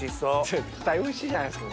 絶対おいしいじゃないですか。